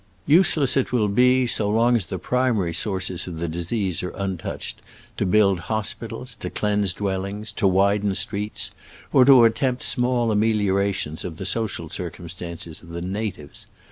Useless it will be, so long as the primary ^ources of the disease are un touched, to build hospitals, to cleanse dwellings, to widen streets, or to attempt small ameliorations of the social circum stances of the natives.